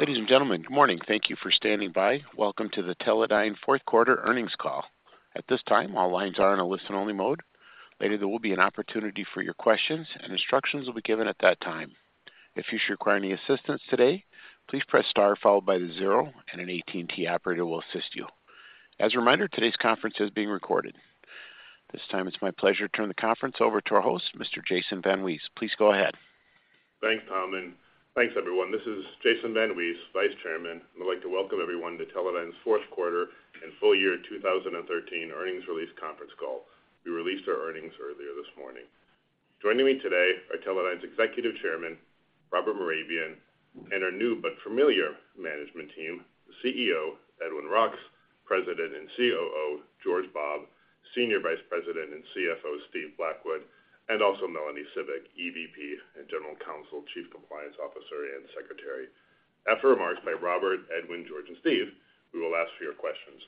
Ladies and gentlemen, good morning. Thank you for standing by. Welcome to the Teledyne fourth quarter earnings call. At this time, all lines are in a listen-only mode. Later, there will be an opportunity for your questions, and instructions will be given at that time. If you should require any assistance today, please press star followed by the zero, and an AT&T operator will assist you. As a reminder, today's conference is being recorded. This time, it's my pleasure to turn the conference over to our host, Mr. Jason VanWees. Please go ahead. Thanks, Tom, and thanks, everyone. This is Jason VanWees, Vice Chairman, and I'd like to welcome everyone to Teledyne's fourth quarter and full year 2013 earnings release conference call. We released our earnings earlier this morning. Joining me today are Teledyne's Executive Chairman, Robert Mehrabian, and our new but familiar management team, CEO, Edwin Roks, President and COO, George Bobb, Senior Vice President and CFO, Steve Blackwood, and also Melanie Cibik, EVP and General Counsel, Chief Compliance Officer, and Secretary. After remarks by Robert, Edwin, George, and Steve, we will ask for your questions.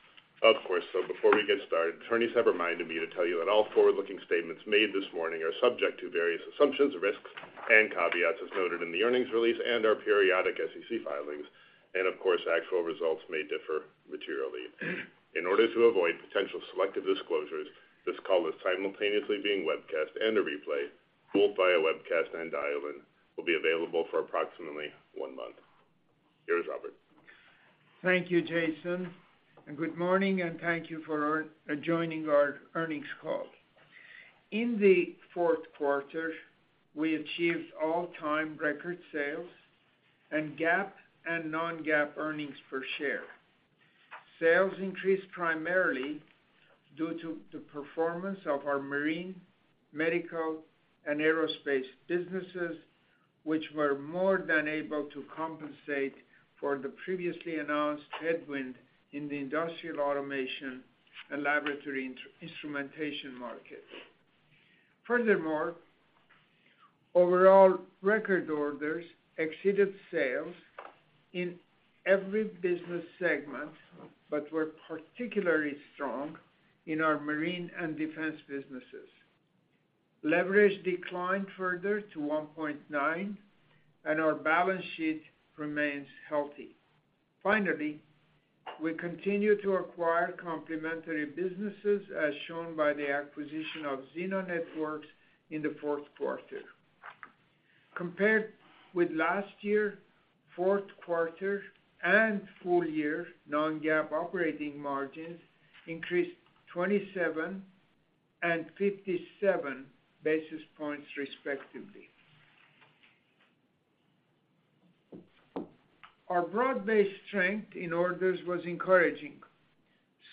Of course, so before we get started, attorneys have reminded me to tell you that all forward-looking statements made this morning are subject to various assumptions, risks, and caveats, as noted in the earnings release and our periodic SEC filings. And of course, actual results may differ materially. In order to avoid potential selective disclosures, this call is simultaneously being webcast, and a replay, both via webcast and dial-in, will be available for approximately one month. Here is Robert. Thank you, Jason, and good morning, and thank you for joining our earnings call. In the fourth quarter, we achieved all-time record sales and GAAP and non-GAAP earnings per share. Sales increased primarily due to the performance of our marine, medical, and aerospace businesses, which were more than able to compensate for the previously announced headwind in the industrial automation and laboratory instrumentation market. Furthermore, overall record orders exceeded sales in every business segment, but were particularly strong in our marine and defense businesses. Leverage declined further to 1.9%, and our balance sheet remains healthy. Finally, we continue to acquire complementary businesses, as shown by the acquisition of Xena Networks in the fourth quarter. Compared with last year, fourth quarter and full-year non-GAAP operating margins increased 27 and 57 basis points, respectively. Our broad-based strength in orders was encouraging,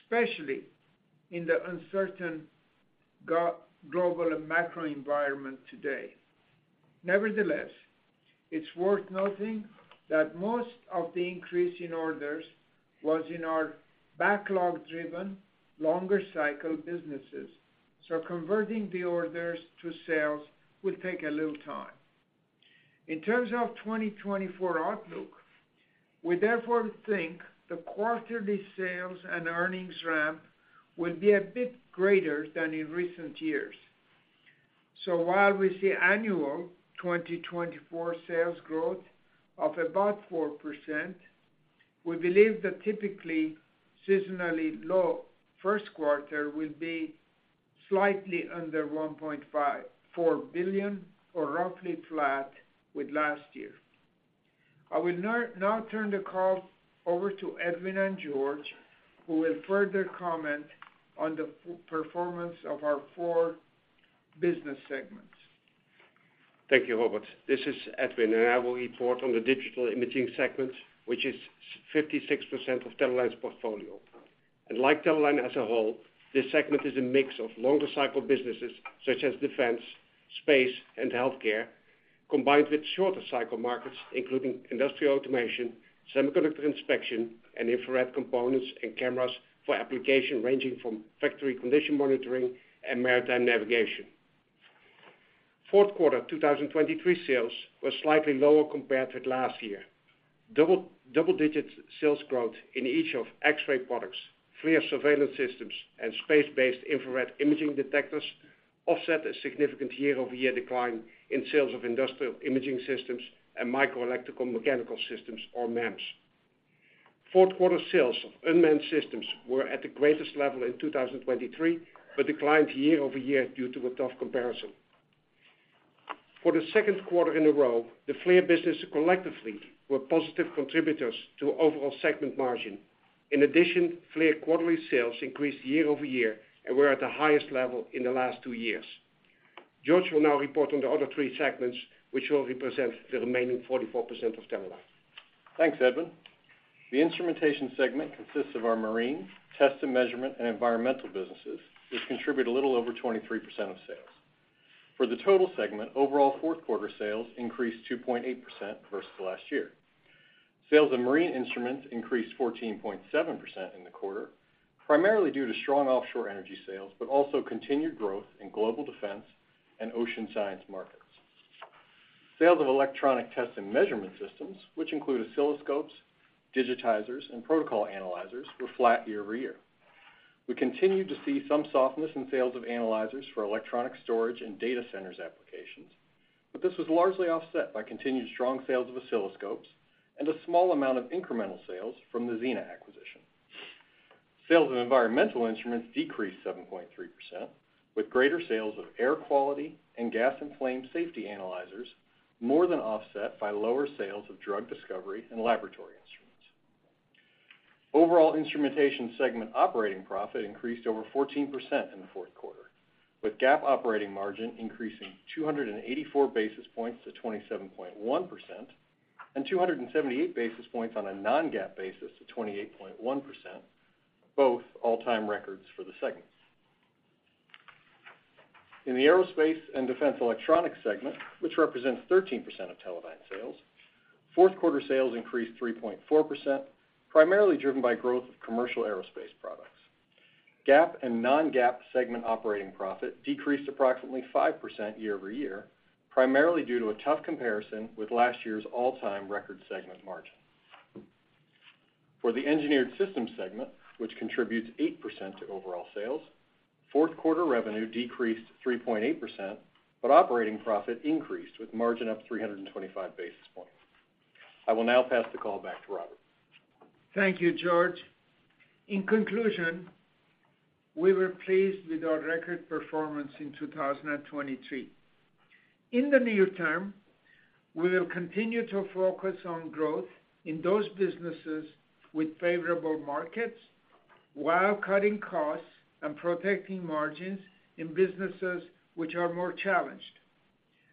especially in the uncertain geopolitical and macro environment today. Nevertheless, it's worth noting that most of the increase in orders was in our backlog-driven, longer cycle businesses, so converting the orders to sales will take a little time. In terms of 2024 outlook, we therefore think the quarterly sales and earnings ramp will be a bit greater than in recent years. So while we see annual 2024 sales growth of about 4%, we believe the typically seasonally low first quarter will be slightly under $1.54 billion or roughly flat with last year. I will now turn the call over to Edwin and George, who will further comment on the financial performance of our four business segments. Thank you, Robert. This is Edwin, and I will report on the Digital Imaging segment, which is 56% of Teledyne's portfolio. Like Teledyne as a whole, this segment is a mix of longer cycle businesses, such as defense, space, and healthcare, combined with shorter cycle markets, including industrial automation, semiconductor inspection, and infrared components and cameras for applications ranging from factory condition monitoring and maritime navigation. Fourth quarter 2023 sales were slightly lower compared with last year. Double-digit sales growth in each of X-ray products, FLIR surveillance systems, and space-based infrared imaging detectors offset a significant year-over-year decline in sales of industrial imaging systems and micro-electro-mechanical systems, or MEMS. Fourth-quarter sales of unmanned systems were at the greatest level in 2023, but declined year-over-year due to a tough comparison. For the second quarter in a row, the FLIR business collectively were positive contributors to overall segment margin. In addition, FLIR quarterly sales increased year-over-year and were at the highest level in the last two years. George will now report on the other three segments, which will represent the remaining 44% of Teledyne. Thanks, Edwin. The Instrumentation segment consists of our marine, test and measurement, and environmental businesses, which contribute a little over 23% of sales. For the total segment, overall fourth quarter sales increased 2.8% versus last year. Sales of marine instruments increased 14.7% in the quarter, primarily due to strong offshore energy sales, but also continued growth in global defense and ocean science markets. Sales of electronic test and measurement systems, which include oscilloscopes, digitizers, and protocol analyzers, were flat year-over-year. We continued to see some softness in sales of analyzers for electronic storage and data centers applications, but this was largely offset by continued strong sales of oscilloscopes and a small amount of incremental sales from the Xena acquisition. Sales of environmental instruments decreased 7.3%, with greater sales of air quality and gas and flame safety analyzers more than offset by lower sales of drug discovery and laboratory instruments. Overall, Instrumentation segment operating profit increased over 14% in the fourth quarter, with GAAP operating margin increasing 284 basis points to 27.1% and 278 basis points on a non-GAAP basis to 28.1%, both all-time records for the segment. In the Aerospace and Defense Electronics segment, which represents 13% of Teledyne sales, fourth quarter sales increased 3.4%, primarily driven by growth of commercial aerospace products. GAAP and non-GAAP segment operating profit decreased approximately 5% year-over-year, primarily due to a tough comparison with last year's all-time record segment margin. For the Engineered Systems segment, which contributes 8% to overall sales, fourth quarter revenue decreased 3.8%, but operating profit increased, with margin up 325 basis points. I will now pass the call back to Robert. Thank you, George. In conclusion, we were pleased with our record performance in 2023. In the near term, we will continue to focus on growth in those businesses with favorable markets, while cutting costs and protecting margins in businesses which are more challenged.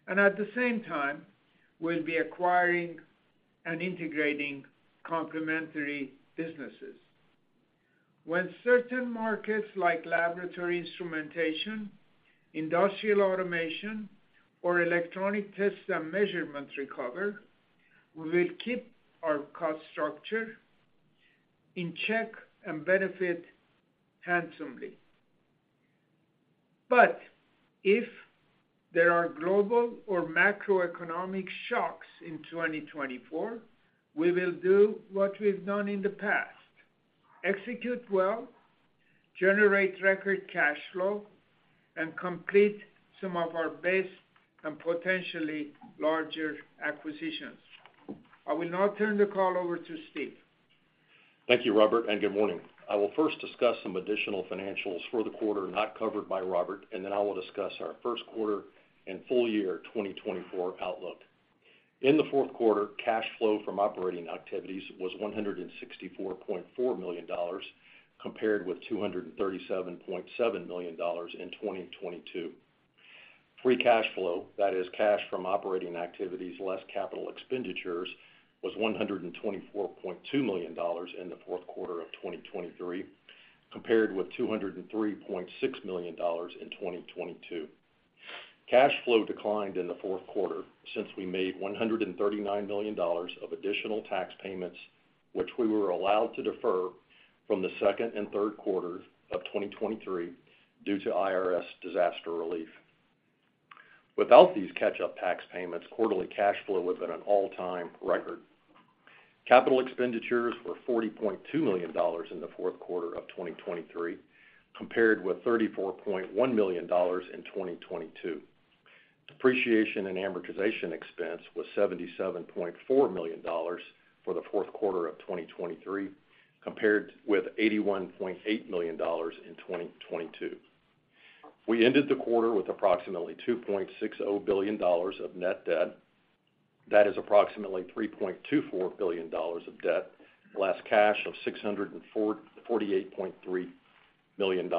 At the same time, we'll be acquiring and integrating complementary businesses. When certain markets, like laboratory instrumentation, industrial automation, or electronic tests and measurements recover, we will keep our cost structure in check and benefit handsomely. If there are global or macroeconomic shocks in 2024, we will do what we've done in the past: execute well, generate record cash flow, and complete some of our best and potentially larger acquisitions. I will now turn the call over to Steve. Thank you, Robert, and good morning. I will first discuss some additional financials for the quarter not covered by Robert, and then I will discuss our first quarter and full year 2024 outlook. In the fourth quarter, cash flow from operating activities was $164.4 million, compared with $237.7 million in 2022. Free cash flow, that is cash from operating activities less capital expenditures, was $124.2 million in the fourth quarter of 2023, compared with $203.6 million in 2022. Cash flow declined in the fourth quarter since we made $139 million of additional tax payments, which we were allowed to defer from the second and third quarters of 2023 due to IRS disaster relief. Without these catch-up tax payments, quarterly cash flow would have been an all-time record. Capital expenditures were $40.2 million in the fourth quarter of 2023, compared with $34.1 million in 2022. Depreciation and amortization expense was $77.4 million for the fourth quarter of 2023, compared with $81.8 million in 2022. We ended the quarter with approximately $2.60 billion of net debt. That is approximately $3.24 billion of debt, less cash of $648.3 million.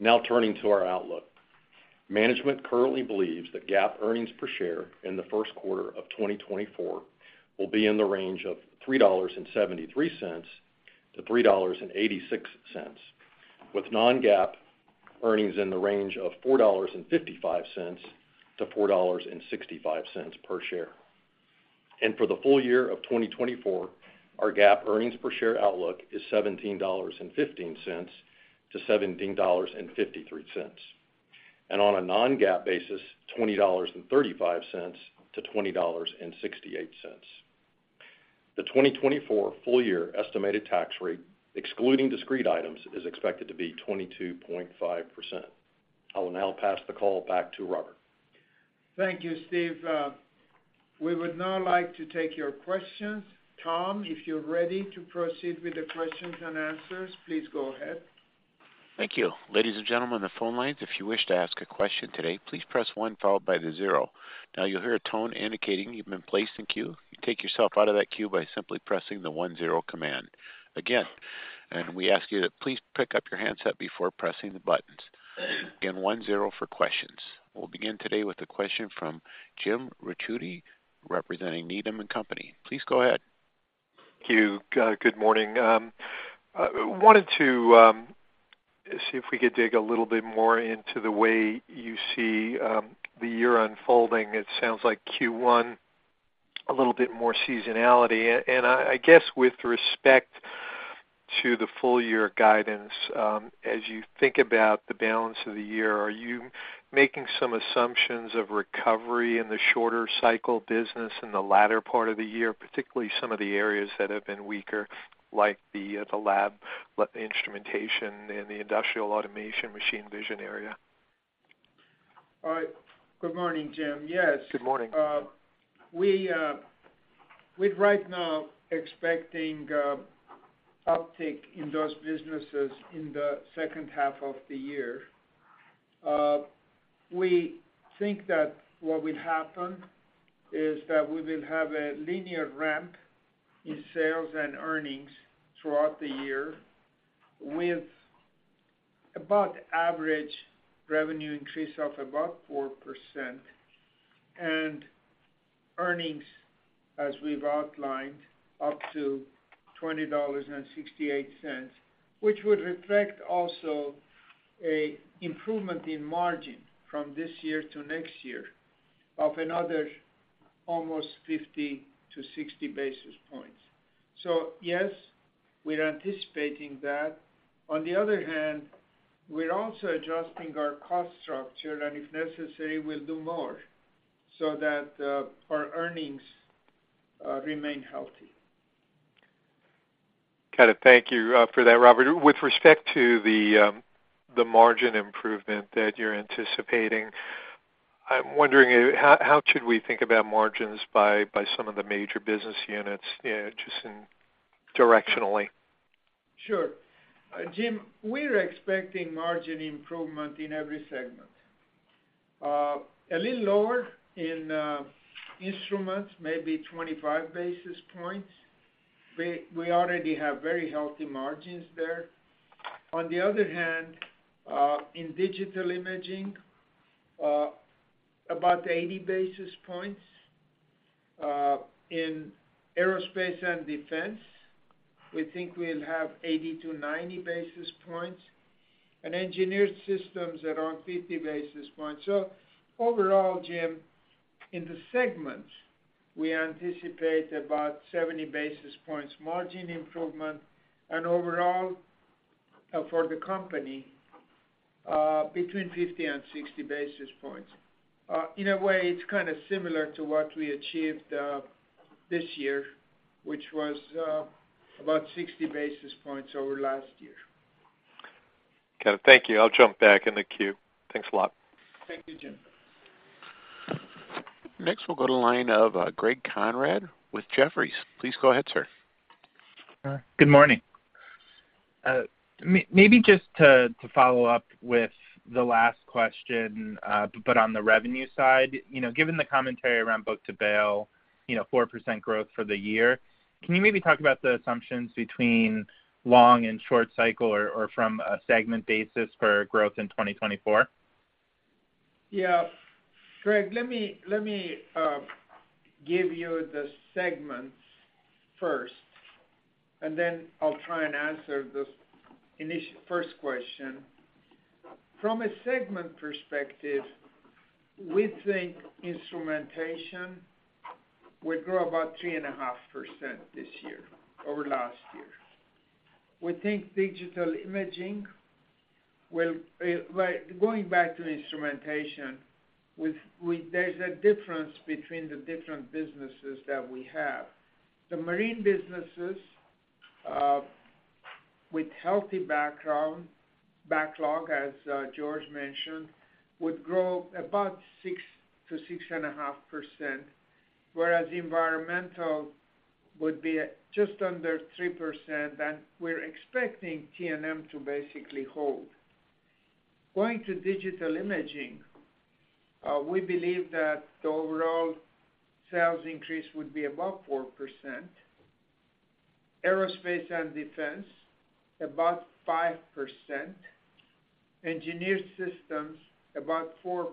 Now, turning to our outlook. Management currently believes that GAAP earnings per share in the first quarter of 2024 will be in the range of $3.73-$3.86, with non-GAAP earnings in the range of $4.55-$4.65 per share. For the full year of 2024, our GAAP earnings per share outlook is $17.15-$17.53, and on a non-GAAP basis, $20.35-$20.68. The 2024 full year estimated tax rate, excluding discrete items, is expected to be 22.5%. I will now pass the call back to Robert. Thank you, Steve. We would now like to take your questions. Tom, if you're ready to proceed with the questions and answers, please go ahead. Thank you. Ladies and gentlemen, on the phone lines, if you wish to ask a question today, please press one, followed by the zero. Now, you'll hear a tone indicating you've been placed in queue. You take yourself out of that queue by simply pressing the one-zero command. Again, and we ask you to please pick up your handset before pressing the buttons. Again, one-zero for questions. We'll begin today with a question from Jim Ricchiuti, representing Needham & Company. Please go ahead. Thank you. Good morning. I wanted to see if we could dig a little bit more into the way you see the year unfolding. It sounds like Q1, a little bit more seasonality. And I guess, with respect to the full year guidance, as you think about the balance of the year, are you making some assumptions of recovery in the shorter cycle business in the latter part of the year, particularly some of the areas that have been weaker, like the lab, like the instrumentation and the industrial automation, machine vision area? All right. Good morning, Jim. Yes. Good morning. We, with right now expecting, uptick in those businesses in the second half of the year, we think that what will happen is that we will have a linear ramp in sales and earnings throughout the year, with about average revenue increase of about 4%, and earnings, as we've outlined, up to $20.68. Which would reflect also a improvement in margin from this year to next year of another almost 50-60 basis points. So yes, we're anticipating that. On the other hand, we're also adjusting our cost structure, and if necessary, we'll do more so that, our earnings, remain healthy. Got it. Thank you for that, Robert. With respect to the margin improvement that you're anticipating, I'm wondering, how should we think about margins by some of the major business units, just directionally? Sure. Jim, we're expecting margin improvement in every segment. A little lower in instruments, maybe 25 basis points. We already have very healthy margins there. On the other hand, in Digital Imaging, about 80 basis points. In aerospace and defense, we think we'll have 80-90 basis points, and engineered systems around 50 basis points. So overall, Jim, in the segments, we anticipate about 70 basis points margin improvement, and overall, for the company, between 50 and 60 basis points. In a way, it's kind of similar to what we achieved this year, which was about 60 basis points over last year. Okay, thank you. I'll jump back in the queue. Thanks a lot. Thank you, Jim. Next, we'll go to the line of Greg Konrad with Jefferies. Please go ahead, sir. Good morning. Maybe just to follow up with the last question, but on the revenue side, you know, given the commentary around book-to-bill, you know, 4% growth for the year, can you maybe talk about the assumptions between long and short cycle or from a segment basis for growth in 2024? Yeah. Greg, let me give you the segments first, and then I'll try and answer this first question. From a segment perspective, we think instrumentation will grow about 3.5% this year over last year. We think Digital Imaging will, well, going back to instrumentation, there's a difference between the different businesses that we have. The marine businesses, with healthy backlog, as George mentioned, would grow about 6%-6.5%, whereas environmental would be just under 3%, and we're expecting T&M to basically hold. Going to Digital Imaging, we believe that the overall sales increase would be about 4%. Aerospace and defense, about 5%. Engineered systems, about 4%.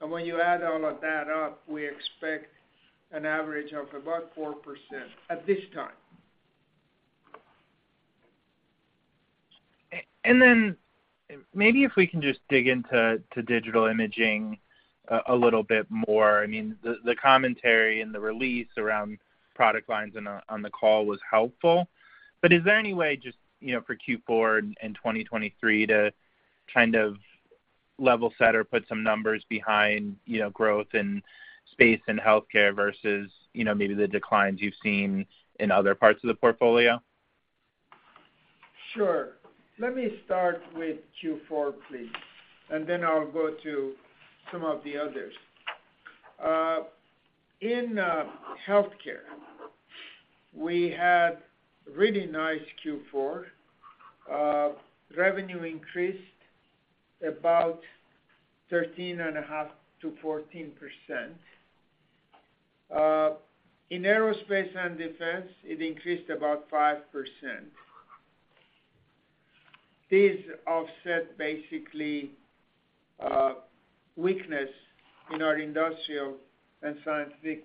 And when you add all of that up, we expect an average of about 4% at this time. And then maybe if we can just dig into Digital Imaging a little bit more. I mean, the commentary and the release around product lines and on the call was helpful. But is there any way just, you know, for Q4 and 2023 to kind of level set or put some numbers behind, you know, growth in space and healthcare versus, you know, maybe the declines you've seen in other parts of the portfolio? Sure. Let me start with Q4, please, and then I'll go to some of the others. In healthcare, we had really nice Q4. Revenue increased about 13.5%-14%. In aerospace and defense, it increased about 5%. These offset basically weakness in our industrial and scientific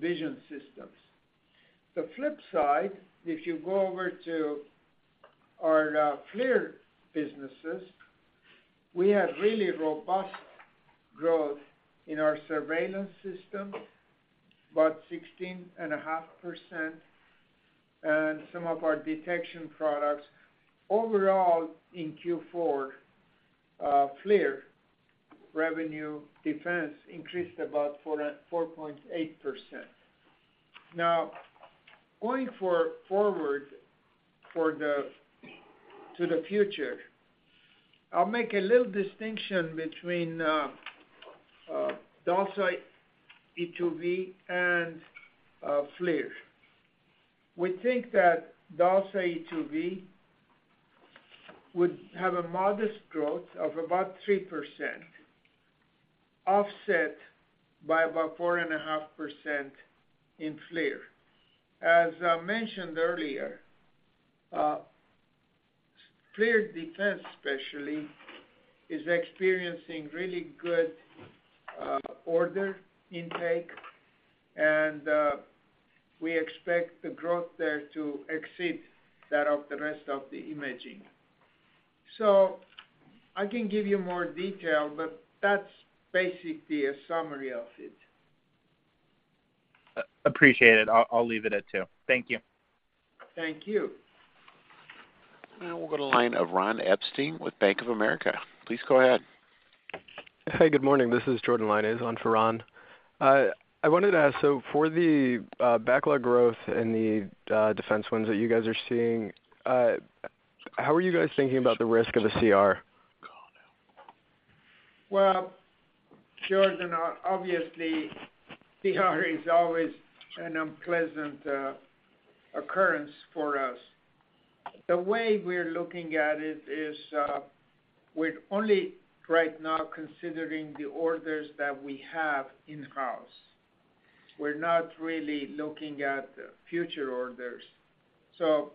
vision systems. The flip side, if you go over to our FLIR businesses, we had really robust growth in our surveillance system, about 16.5%, and some of our detection products. Overall, in Q4, FLIR revenue defense increased about 4.8%. Now, going forward to the future, I'll make a little distinction between DALSA, e2v, and FLIR. We think that DALSA e2v would have a modest growth of about 3%, offset by about 4.5% in FLIR. As I mentioned earlier, FLIR defense, especially, is experiencing really good order intake, and we expect the growth there to exceed that of the rest of the imaging. So I can give you more detail, but that's basically a summary of it. Appreciate it. I'll leave it at two. Thank you. Thank you. Now we'll go to line of Ron Epstein with Bank of America. Please go ahead. Hey, good morning. This is Jordan Lyonnais on for Ron. I wanted to ask, so for the backlog growth in the defense wins that you guys are seeing, how are you guys thinking about the risk of the CR? Well, Jordan, obviously, CR is always an unpleasant occurrence for us. The way we're looking at it is, we're only right now considering the orders that we have in-house. We're not really looking at future orders. So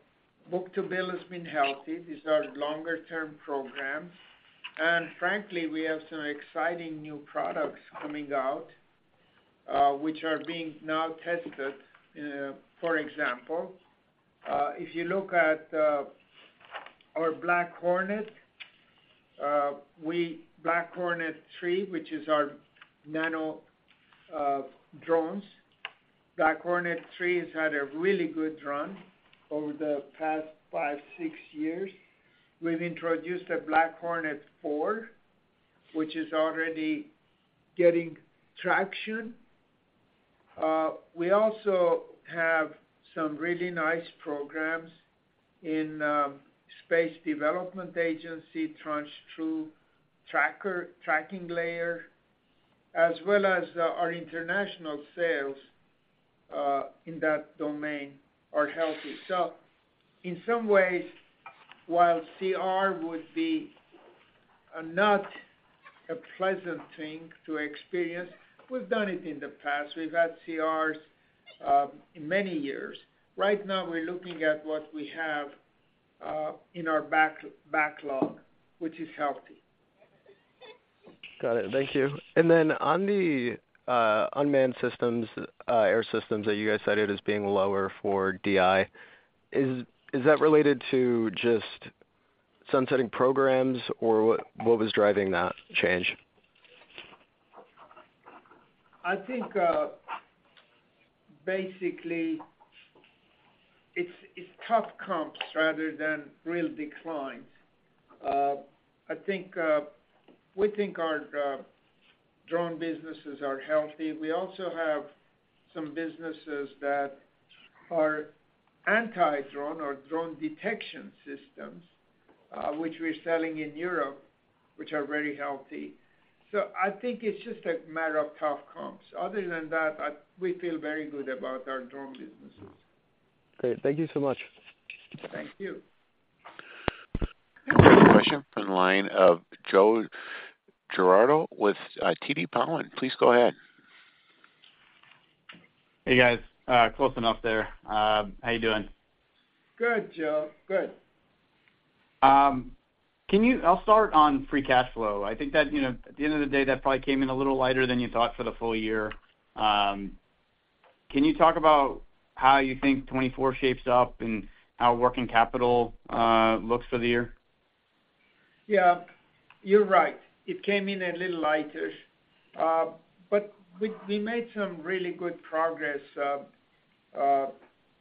book-to-bill has been healthy. These are longer-term programs, and frankly, we have some exciting new products coming out, which are being now tested. For example, if you look at our Black Hornet, we Black Hornet 3, which is our nano drones. Black Hornet 3 has had a really good run over the past 5, 6 years. We've introduced a Black Hornet 4, which is already getting traction. We also have some really nice programs in Space Development Agency, Tranche 2 Tracking Layer, as well as our international sales in that domain are healthy. So in some ways, while CR would be not a pleasant thing to experience, we've done it in the past. We've had CRs in many years. Right now, we're looking at what we have in our backlog, which is healthy. Got it. Thank you. Then on the unmanned systems, air systems that you guys cited as being lower for DI, is that related to just sunsetting programs, or what was driving that change? I think, basically it's tough comps rather than real declines. I think, we think our drone businesses are healthy. We also have some businesses that are anti-drone or drone detection systems, which we're selling in Europe, which are very healthy. So I think it's just a matter of tough comps. Other than that, we feel very good about our drone businesses. Great. Thank you so much. Thank you. Next question from the line of Joe Giordano with TD Cowen. Please go ahead. Hey, guys. Close enough there. How you doing? Good, Joe. Good. I'll start on free cash flow. I think that, you know, at the end of the day, that probably came in a little lighter than you thought for the full year. Can you talk about how you think 2024 shapes up and how working capital looks for the year? Yeah, you're right. It came in a little lighter, but we made some really good progress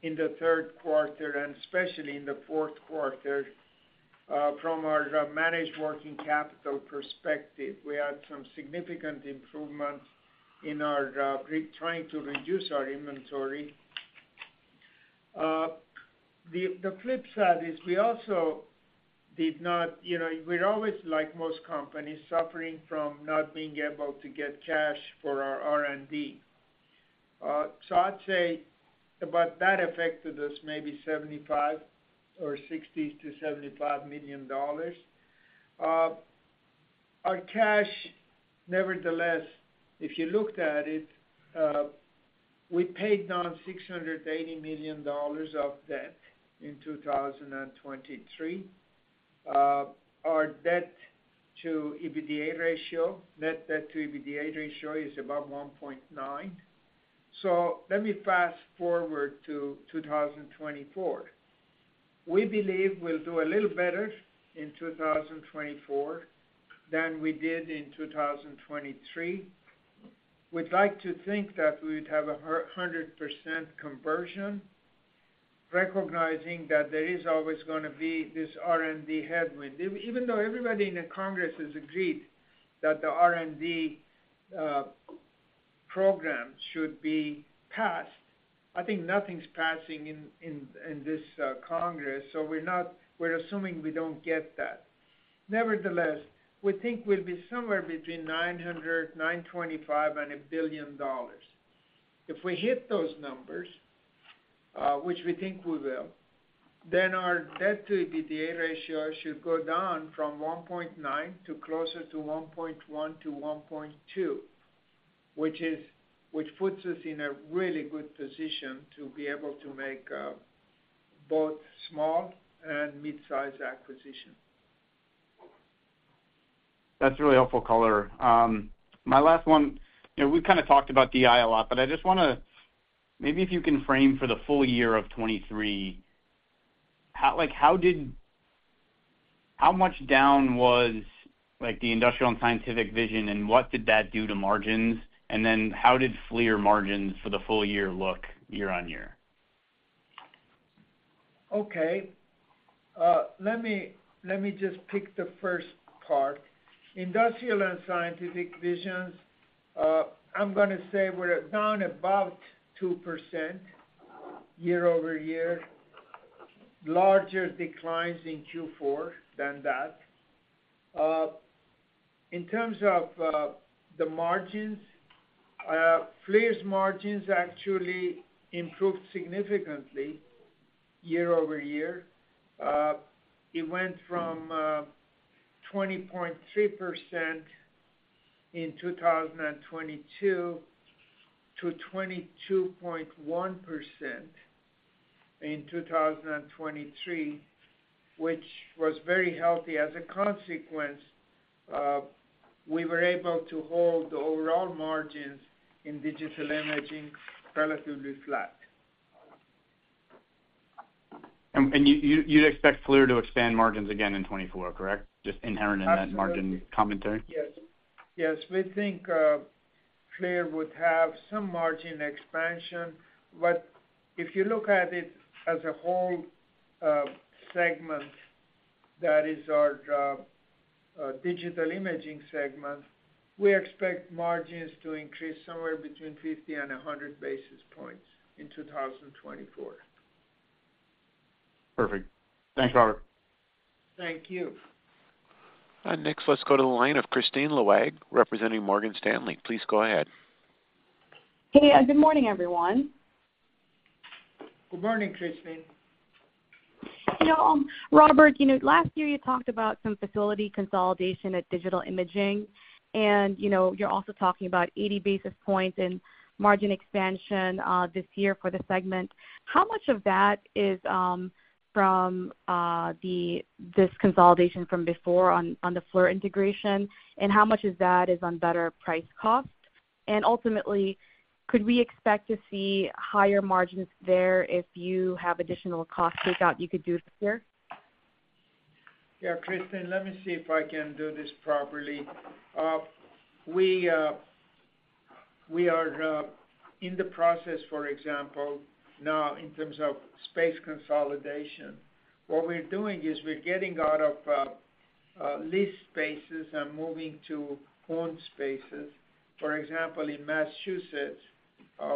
in the third quarter, and especially in the fourth quarter, from our managed working capital perspective. We had some significant improvements in our trying to reduce our inventory. The flip side is we also did not, you know, we're always, like most companies, suffering from not being able to get cash for our R&D. So I'd say about that affected us maybe $75 million or $60 million-$75 million. Our cash, nevertheless, if you looked at it, we paid down $680 million of debt in 2023. Our debt to EBITDA ratio, net debt to EBITDA ratio is about 1.9%. So let me fast-forward to 2024. We believe we'll do a little better in 2024 than we did in 2023. We'd like to think that we'd have a hundred percent conversion, recognizing that there is always gonna be this R&D headwind. Even though everybody in the Congress has agreed that the R&D program should be passed, I think nothing's passing in this Congress, so we're not. We're assuming we don't get that. Nevertheless, we think we'll be somewhere between $900 million, $925 million, and $1 billion. If we hit those numbers, which we think we will, then our debt-to-EBITDA ratio should go down from 1.9% to closer to 1.1%-1.2%, which puts us in a really good position to be able to make both small and mid-sized acquisitions. That's really helpful color. My last one, you know, we've kind of talked about DI a lot, but I just wanna—maybe if you can frame for the full year of 2023, how—like, how much down was, like, the industrial and scientific vision, and what did that do to margins? And then how did FLIR margins for the full year look year-over-year? Okay, let me, let me just pick the first part. Industrial and scientific visions, I'm gonna say we're down about 2% year-over-year, larger declines in Q4 than that. In terms of, the margins, FLIR's margins actually improved significantly year-over-year. It went from, 20.3% in 2022, to 22.1% in 2023, which was very healthy. As a consequence, we were able to hold the overall margins in Digital Imaging relatively flat. You'd expect FLIR to expand margins again in 2024, correct? Absolutely. Just inherent in that margin commentary? Yes. Yes, we think, FLIR would have some margin expansion, but if you look at it as a whole, Digital Imaging segment, we expect margins to increase somewhere between 50 and 100 basis points in 2024. Perfect. Thanks, Robert. Thank you. Next, let's go to the line of Kristine Liwag, representing Morgan Stanley. Please go ahead. Hey, good morning, everyone. Good morning, Kristine. You know, Robert, you know, last year you talked about some facility consolidation at Digital Imaging, and, you know, you're also talking about 80 basis points in margin expansion, this year for the segment. How much of that is, from, this consolidation from before on, on the FLIR integration, and how much of that is on better price cost? And ultimately, could we expect to see higher margins there if you have additional cost takeout you could do this year? Yeah, Kristine, let me see if I can do this properly. We are in the process, for example, now, in terms of space consolidation, what we're doing is we're getting out of lease spaces and moving to owned spaces. For example, in Massachusetts,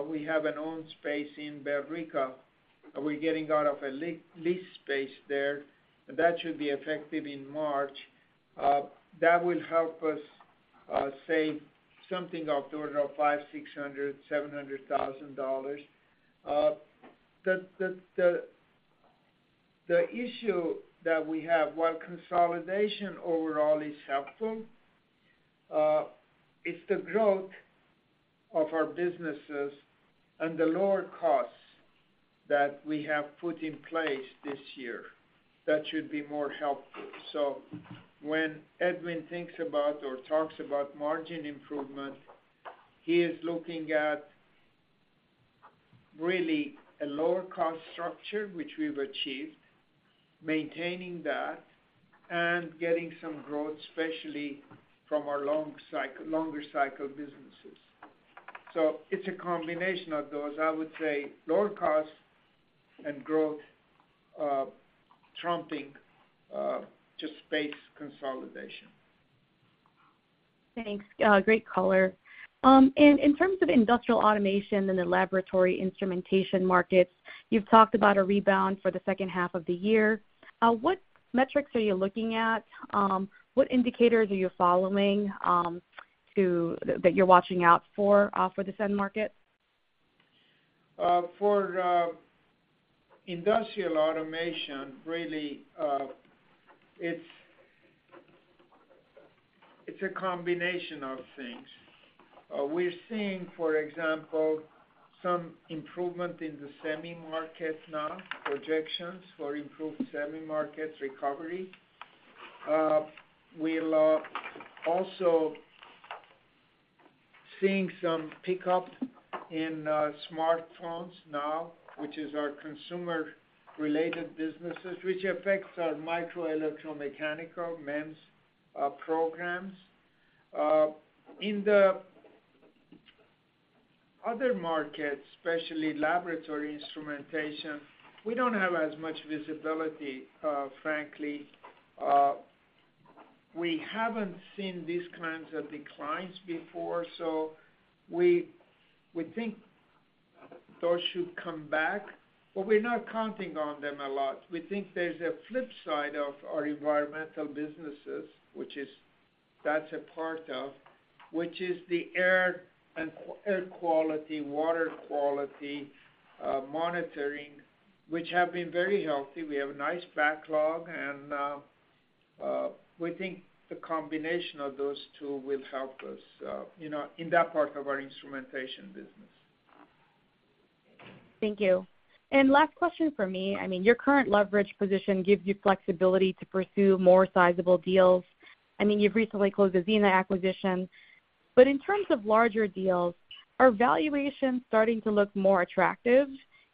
we have an owned space in Billerica, and we're getting out of a lease space there. That should be effective in March. That will help us save something of the order of $500,000-$700,000. The issue that we have, while consolidation overall is helpful, it's the growth of our businesses and the lower costs that we have put in place this year that should be more helpful. So when Edwin thinks about or talks about margin improvement, he is looking at really a lower cost structure, which we've achieved, maintaining that, and getting some growth, especially from our long-cycle, longer-cycle businesses. So it's a combination of those. I would say lower costs and growth, trumping, just space consolidation. Thanks. Great color. In terms of industrial automation and the laboratory instrumentation markets, you've talked about a rebound for the second half of the year. What metrics are you looking at? What indicators are you following that you're watching out for, for this end market? For industrial automation, really, it's a combination of things. We're seeing, for example, some improvement in the semi market now, projections for improved semi market recovery. We're also seeing some pickup in smartphones now, which is our consumer-related businesses, which affects our micro-electro-mechanical MEMS programs. In the other markets, especially laboratory instrumentation, we don't have as much visibility, frankly. We haven't seen these kinds of declines before, so we think those should come back, but we're not counting on them a lot. We think there's a flip side of our environmental businesses, which is, that's a part of, which is the air and air quality, water quality monitoring, which have been very healthy. We have a nice backlog, and we think the combination of those two will help us, you know, in that part of our instrumentation business. Thank you. Last question for me. I mean, your current leverage position gives you flexibility to pursue more sizable deals. I mean, you've recently closed the Xena acquisition. But in terms of larger deals, are valuations starting to look more attractive?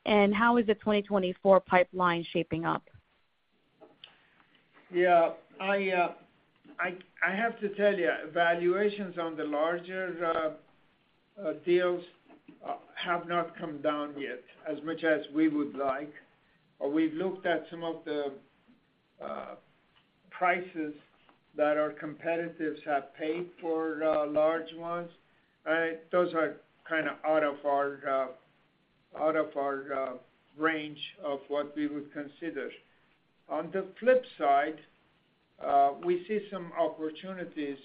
And how is the 2024 pipeline shaping up? Yeah, I have to tell you, valuations on the larger deals have not come down yet as much as we would like. But we've looked at some of the prices that our competitors have paid for the large ones, and those are kind of out of our range of what we would consider. On the flip side, we see some opportunities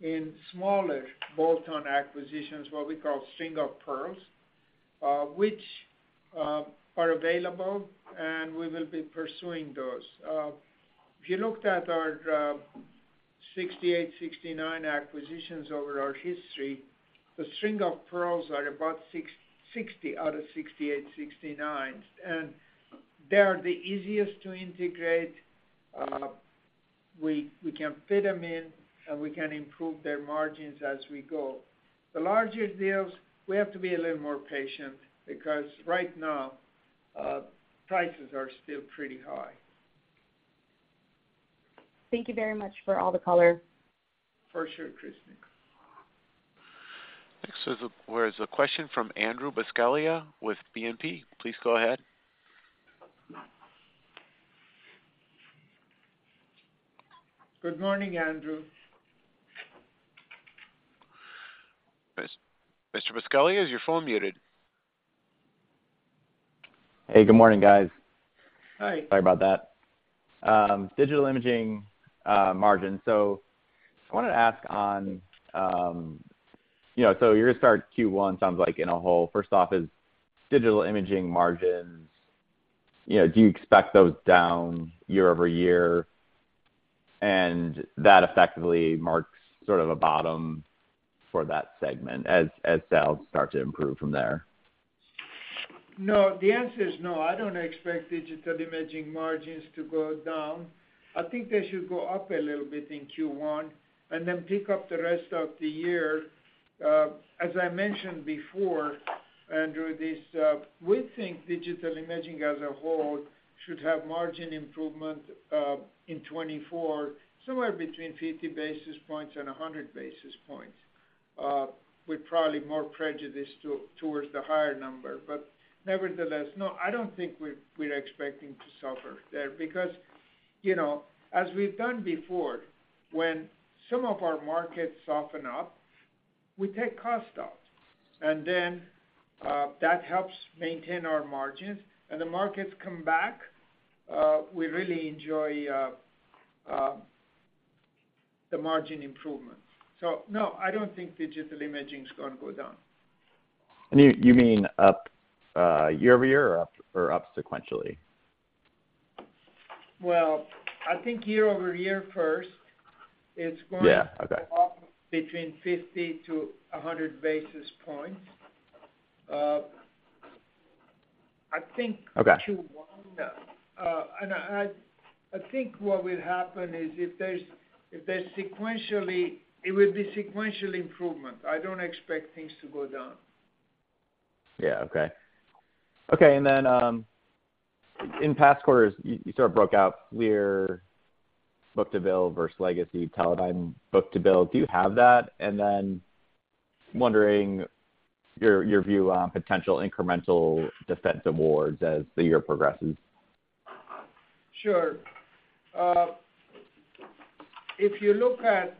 in smaller bolt-on acquisitions, what we call string of pearls, which are available, and we will be pursuing those. If you looked at our 68, 69 acquisitions over our history, the string of pearls are about 60 out of 68, 69, and they are the easiest to integrate. We can fit them in, and we can improve their margins as we go. The larger deals, we have to be a little more patient because right now, prices are still pretty high. Thank you very much for all the color. For sure, Kristine. Next is a question from Andrew Buscaglia with BNP. Please go ahead. Good morning, Andrew. Mr. Buscaglia, is your phone muted? Hey, good morning, guys. Hi. Sorry about that. Digital Imaging margin. So I wanted to ask on, you know, so your start Q1 sounds like in a hole. First off, is Digital Imaging margins, you know, do you expect those down year-over-year? And that effectively marks sort of a bottom for that segment as sales start to improve from there. No, the answer is no. I don't expect Digital Imaging margins to go down. I think they should go up a little bit in Q1 and then pick up the rest of the year. As I mentioned before, Andrew, this, we think Digital Imaging as a whole should have margin improvement in 2024, somewhere between 50 basis points and 100 basis points, with probably more prejudice towards the higher number. But nevertheless, no, I don't think we're expecting to suffer there. Because, you know, as we've done before, when some of our markets soften up, we take cost out, and then, that helps maintain our margins, and the markets come back, we really enjoy the margin improvement. So no, I don't think Digital Imaging is gonna go down. You mean up year over year or up sequentially? Well, I think year-over-year first, it's going- Yeah, okay. -to go up between 50-100 basis points. I think- Okay. Q1, and I, I think what will happen is if there's, if there's sequentially... It will be sequential improvement. I don't expect things to go down. Yeah, okay. Okay, and then, in past quarters, you, you sort of broke out clear book-to-bill versus legacy Teledyne book-to-bill. Do you have that? And then wondering your, your view on potential incremental defense awards as the year progresses. Sure. If you look at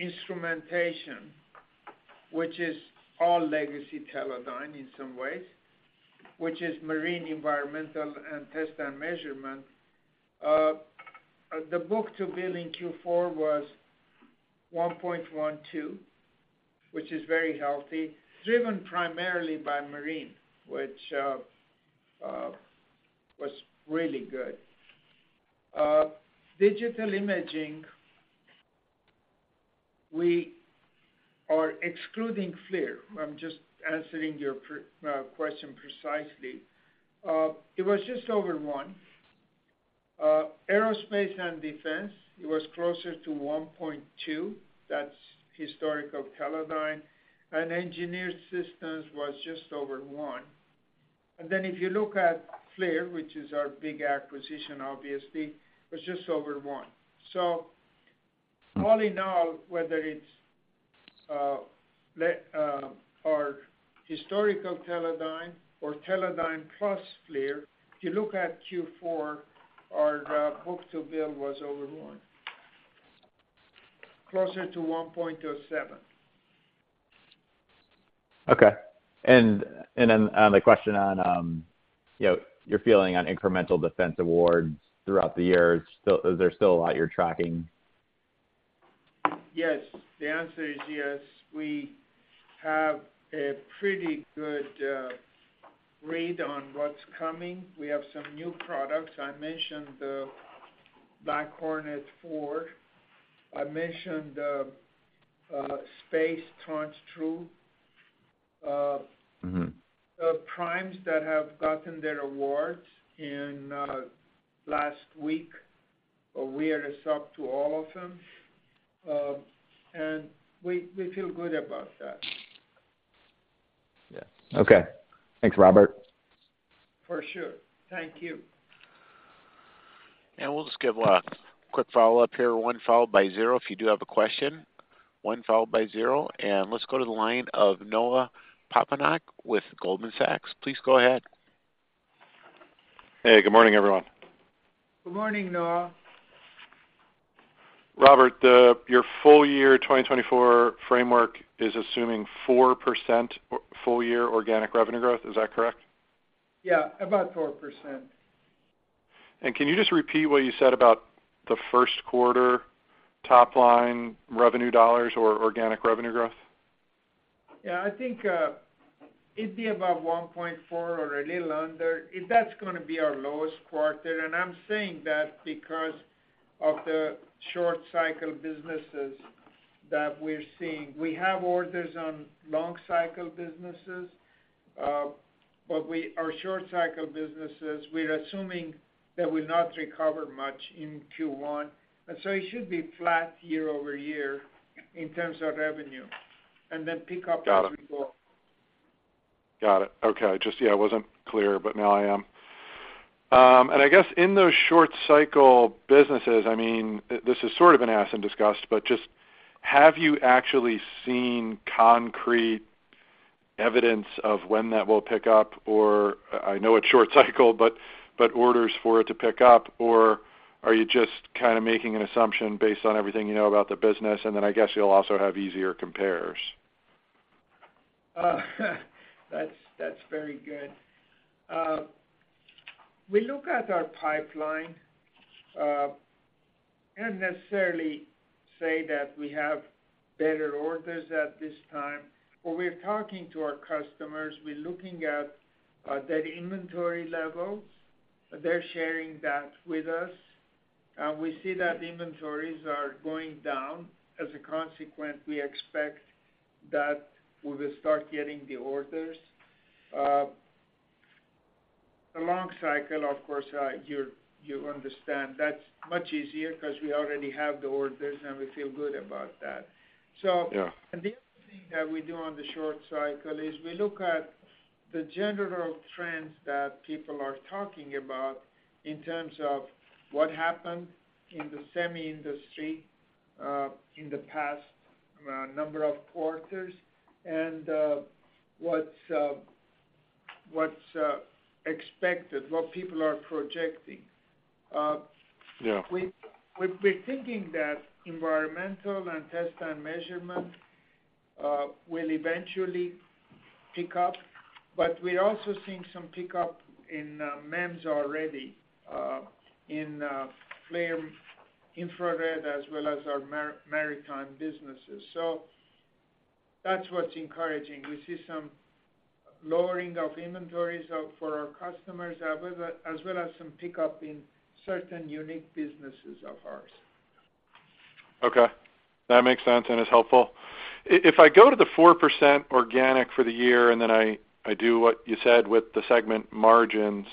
instrumentation, which is all legacy Teledyne in some ways, which is marine, environmental, and test and measurement, the book-to-bill in Q4 was 1.12%, which is very healthy, driven primarily by marine, which was really good. Digital imaging, we are excluding FLIR. I'm just answering your previous question precisely. It was just over one. Aerospace and defense, it was closer to 1.2%. That's historical Teledyne. And engineered systems was just over one. And then if you look at FLIR, which is our big acquisition, obviously, it was just over one. All in all, whether it's legacy, our historical Teledyne or Teledyne plus FLIR, if you look at Q4, our book-to-bill was over one, closer to 1.07%. Okay. And then, on the question on, you know, your feeling on incremental defense awards throughout the year, is still—is there still a lot you're tracking? Yes, the answer is yes. We have a pretty good read on what's coming. We have some new products. I mentioned the Black Hornet 4. I mentioned the Space Tranche 2. Mm-hmm. The primes that have gotten their awards in last week, we are a sub to all of them, and we feel good about that. Yeah. Okay. Thanks, Robert. For sure. Thank you. We'll just give a quick follow-up here. One followed by zero, if you do have a question, one followed by zero, and let's go to the line of Noah Poponak with Goldman Sachs. Please go ahead. Hey, good morning, everyone. Good morning, Noah. Robert, your full year 2024 framework is assuming 4% or full-year organic revenue growth. Is that correct? Yeah, about 4%. Can you just repeat what you said about the first quarter top-line revenue dollars or organic revenue growth? Yeah, I think, it'd be about 1.4% or a little under. If that's gonna be our lowest quarter, and I'm saying that because of the short-cycle businesses that we're seeing. We have orders on long-cycle businesses, but our short-cycle businesses, we're assuming that will not recover much in Q1, and so it should be flat year-over-year in terms of revenue, and then pick up as we go. Got it. Got it. Okay, just, yeah, I wasn't clear, but now I am. And I guess in those short-cycle businesses, I mean, this is sort of been asked and discussed, but just have you actually seen concrete evidence of when that will pick up? Or I know it's short cycle, but orders for it to pick up, or are you just kind of making an assumption based on everything you know about the business, and then I guess you'll also have easier compares. That's, that's very good. We look at our pipeline, can't necessarily say that we have better orders at this time, but we're talking to our customers. We're looking at their inventory levels. They're sharing that with us, and we see that inventories are going down. As a consequence, we expect that we will start getting the orders. The long cycle, of course, you understand that's much easier 'cause we already have the orders, and we feel good about that. Yeah. The other thing that we do on the short cycle is we look at the general trends that people are talking about in terms of what happened in the semi industry in the past number of quarters and what's expected, what people are projecting. Yeah. We're thinking that environmental and test and measurement will eventually pick up, but we're also seeing some pickup in MEMS already in FLIR infrared as well as our maritime businesses. So that's what's encouraging. We see some lowering of inventories out for our customers, but as well as some pickup in certain unique businesses of ours. Okay, that makes sense and is helpful. If I go to the 4% organic for the year, and then I do what you said with the segment margins,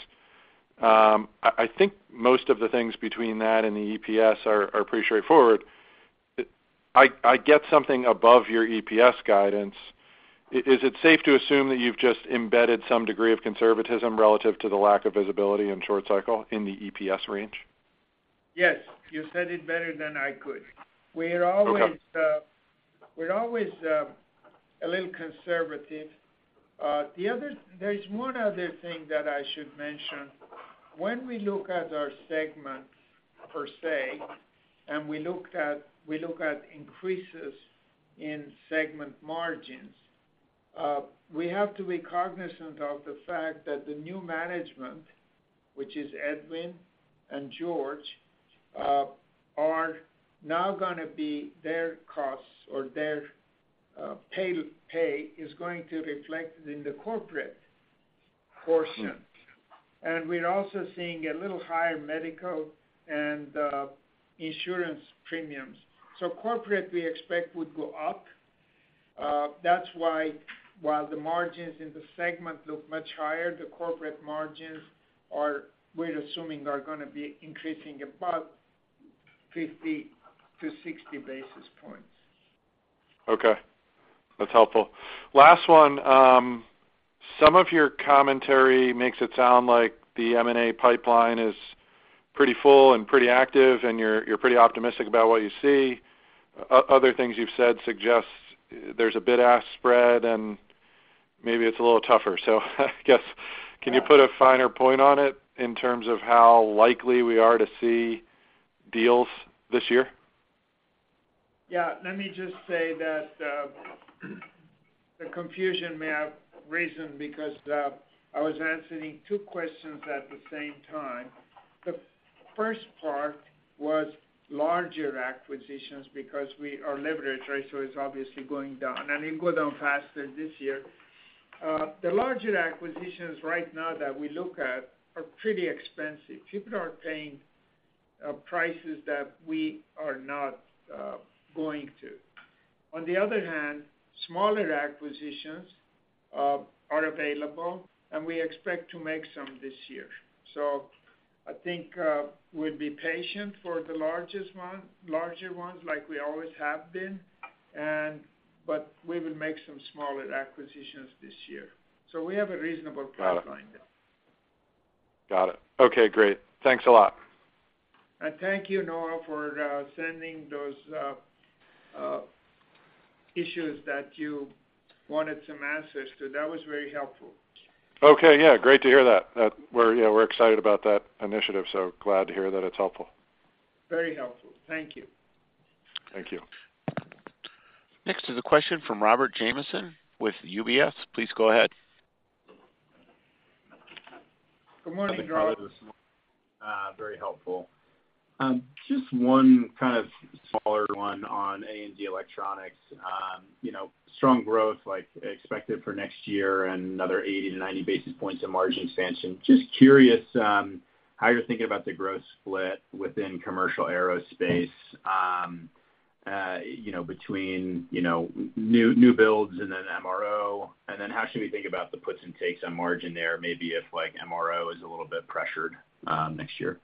I think most of the things between that and the EPS are pretty straightforward. I get something above your EPS guidance. Is it safe to assume that you've just embedded some degree of conservatism relative to the lack of visibility in short cycle in the EPS range? Yes. You said it better than I could. Okay. We're always a little conservative. There is one other thing that I should mention. When we look at our segments per se, and we look at increases in segment margins, we have to be cognizant of the fact that the new management, which is Edwin and George, are now gonna be their costs or their pay, is going to reflect in the corporate portion. Mm. We're also seeing a little higher medical and insurance premiums. Corporate, we expect, would go up. That's why, while the margins in the segment look much higher, the corporate margins are, we're assuming, are gonna be increasing about 50-60 basis points. Okay, that's helpful. Last one, some of your commentary makes it sound like the M&A pipeline is pretty full and pretty active, and you're, you're pretty optimistic about what you see. Other things you've said suggest there's a bid-ask spread, and maybe it's a little tougher. So I guess, can you put a finer point on it in terms of how likely we are to see deals this year? Yeah, let me just say that, the confusion may have risen because, I was answering two questions at the same time. The first part was larger acquisitions because we are leveraged, right? So it's obviously going down, and it will go down faster this year. The larger acquisitions right now that we look at are pretty expensive. People are paying, prices that we are not, going to. On the other hand, smaller acquisitions, are available, and we expect to make some this year. So I think, we'd be patient for the largest one- larger ones, like we always have been, and but we will make some smaller acquisitions this year. So we have a reasonable pipeline there. Got it. Okay, great. Thanks a lot. Thank you, Noah, for sending those issues that you wanted some answers to. That was very helpful. Okay, yeah. Great to hear that. That we're, yeah, we're excited about that initiative, so glad to hear that it's helpful. Very helpful. Thank you. Thank you. Next is a question from Robert Jamieson with UBS. Please go ahead. Good morning, Robert. Very helpful. Just one kind of smaller one on A&D Electronics. You know, strong growth like expected for next year and another 80-90 basis points of margin expansion. Just curious, how you're thinking about the growth split within commercial aerospace, you know, between, you know, new, new builds and then MRO. And then how should we think about the puts and takes on margin there, maybe if, like, MRO is a little bit pressured, next year?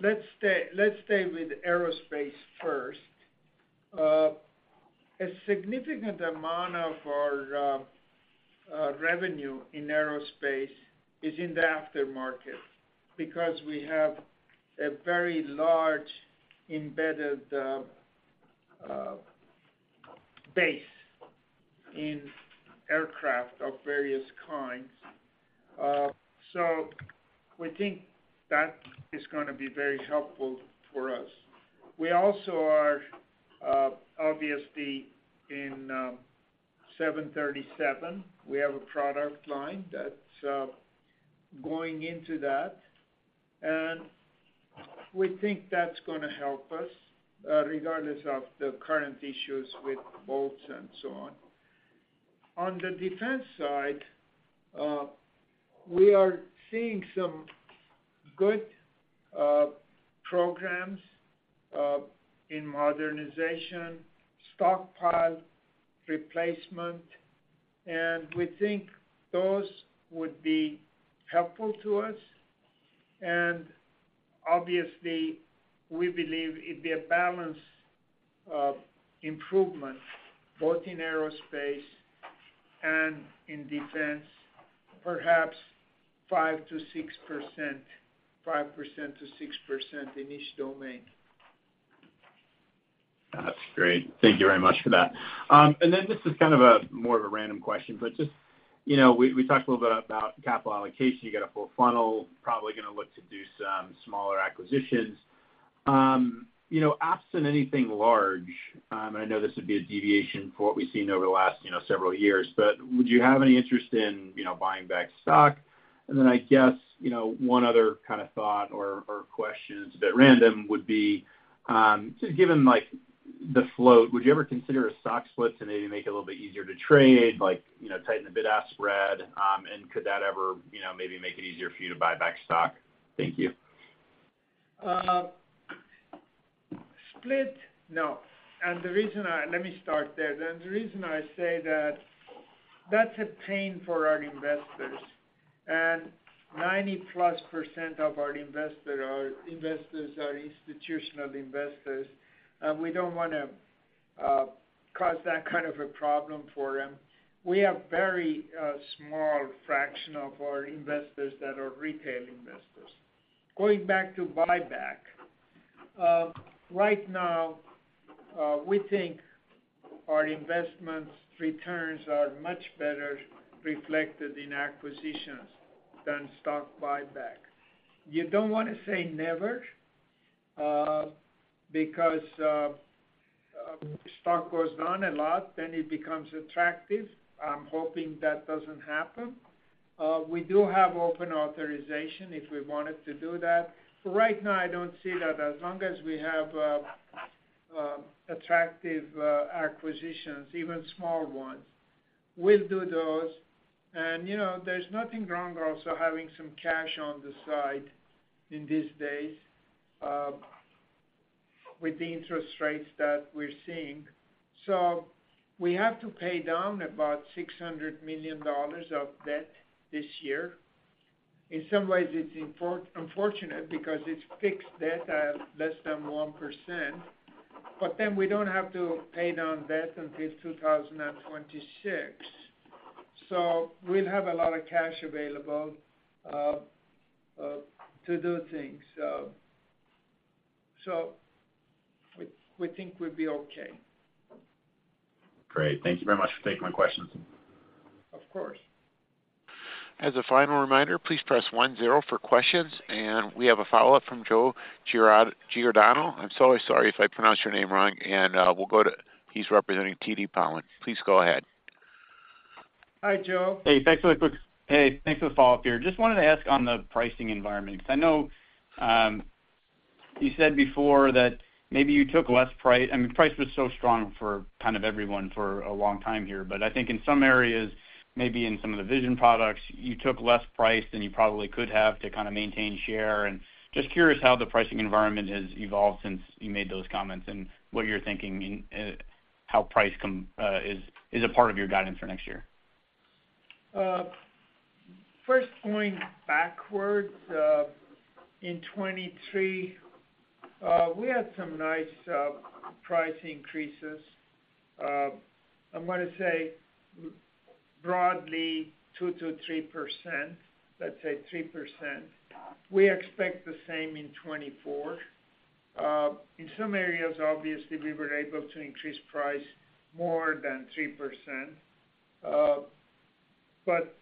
Let's stay with aerospace first. A significant amount of our revenue in aerospace is in the aftermarket because we have a very large embedded base in aircraft of various kinds. So we think that is gonna be very helpful for us. We also are obviously in 737, we have a product line that's going into that, and we think that's gonna help us, regardless of the current issues with bolts and so on. On the defense side, we are seeing some good programs in modernization, stockpile replacement, and we think those would be helpful to us. And obviously, we believe it'd be a balanced improvement both in aerospace and in defense, perhaps 5%-6%, 5%-6% in each domain. That's great. Thank you very much for that. And then this is kind of a more of a random question, but just, you know, we talked a little bit about capital allocation. You got a full funnel, probably gonna look to do some smaller acquisitions. You know, absent anything large, and I know this would be a deviation from what we've seen over the last, you know, several years, but would you have any interest in, you know, buying back stock? And then I guess, you know, one other kind of thought or question, it's a bit random, would be, just given, like, the float, would you ever consider a stock split to maybe make it a little bit easier to trade, like, you know, tighten the bid-ask spread? Could that ever, you know, maybe make it easier for you to buy back stock? Thank you. Split? No. The reason let me start there. The reason I say that, that's a pain for our investors, and 90% plus of our investors are institutional investors, and we don't want to cause that kind of a problem for them. We have very small fraction of our investors that are retail investors. Going back to buyback, right now, we think our investment returns are much better reflected in acquisitions than stock buyback. You don't want to say never, because stock goes down a lot, then it becomes attractive. I'm hoping that doesn't happen. We do have open authorization if we wanted to do that. But right now, I don't see that. As long as we have attractive acquisitions, even small ones, we'll do those. You know, there's nothing wrong also having some cash on the side in these days with the interest rates that we're seeing. So we have to pay down about $600 million of debt this year. In some ways, it's unfortunate because it's fixed debt at less than 1%, but then we don't have to pay down debt until 2026. So we'll have a lot of cash available to do things. So, so we, we think we'll be okay. Great. Thank you very much for taking my questions. Of course. As a final reminder, please press one zero for questions, and we have a follow-up from Joe Giordano. I'm so sorry if I pronounced your name wrong, and we'll go to him. He's representing TD Cowen. Please go ahead. Hi, Joe. Hey, thanks for the follow-up here. Just wanted to ask on the pricing environment, because I know you said before that maybe you took less price. I mean, price was so strong for kind of everyone for a long time here. But I think in some areas, maybe in some of the vision products, you took less price than you probably could have to kind of maintain share. And just curious how the pricing environment has evolved since you made those comments and what you're thinking and how price/cost is a part of your guidance for next year. First, going backwards, in 2023, we had some nice price increases. I'm gonna say broadly 2%-3%, let's say 3%. We expect the same in 2024. In some areas, obviously, we were able to increase price more than 3%. But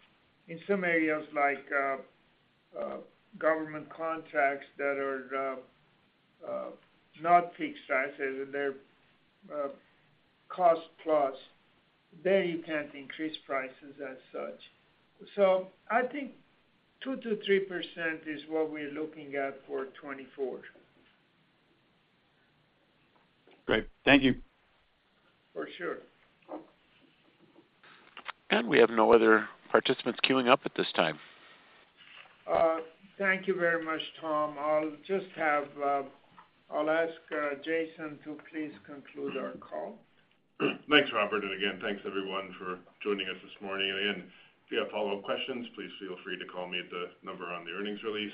in some areas, like government contracts that are not fixed prices, they're cost-plus, there you can't increase prices as such. So I think 2%-3% is what we're looking at for 2024. Great. Thank you. For sure. We have no other participants queuing up at this time. Thank you very much, Tom. I'll ask Jason to please conclude our call. Thanks, Robert, and again, thanks, everyone, for joining us this morning. If you have follow-up questions, please feel free to call me at the number on the earnings release.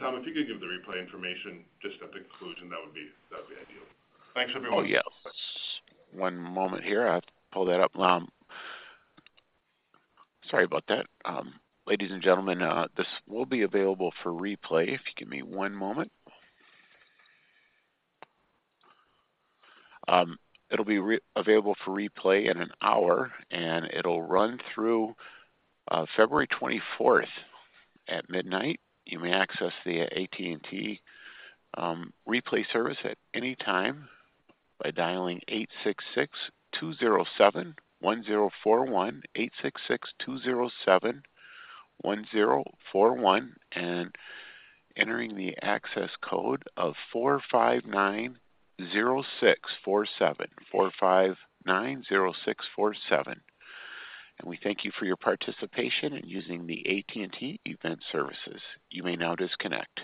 Tom, if you could give the replay information just at the conclusion, that would be, that'd be ideal. Thanks, everyone. Oh, yes. One moment here. I have to pull that up. Sorry about that. Ladies and gentlemen, this will be available for replay. If you give me one moment. It'll be available for replay in an hour, and it'll run through February 24th at midnight. You may access the AT&T replay service at any time by dialing 866-207-1041 866-207-1041 and entering the access code of 4590647, 4590647. We thank you for your participation in using the AT&T event services. You may now disconnect.